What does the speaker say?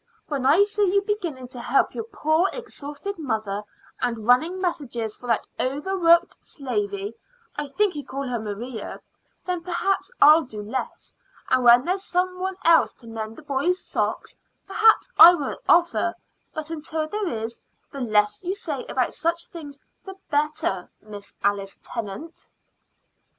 "When I see you beginning to help your poor, exhausted mother, and running messages for that overworked slavey I think you call her Maria then perhaps I'll do less. And when there's some one else to mend the boys' socks, perhaps I won't offer; but until there is, the less you say about such things the better, Miss Alice Tennant."